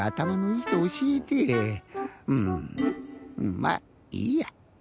まぁいいや。